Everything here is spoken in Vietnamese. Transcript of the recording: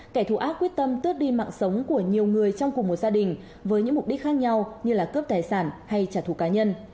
kẻ thù ác quyết tâm tước đi mạng sống của nhiều người trong cùng một gia đình với những mục đích khác nhau như là cướp tài sản hay trả thù cá nhân